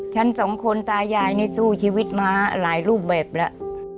ฉันสองคนตายายนี่สู้ชีวิตมาหลายรูปแบบแล้ว